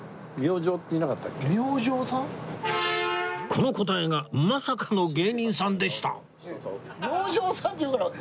この答えがまさかの芸人さんでした